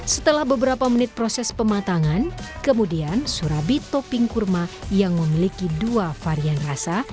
setelah beberapa menit proses pematangan kemudian surabi topping kurma yang memiliki dua varian rasa